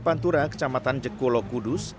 pantura kecamatan jekolo kudus